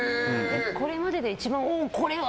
これまでで一番おお、これは！